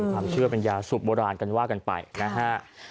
ความเชื่อเป็นยาสูบโบราณกันว่ากันไปนะฮะ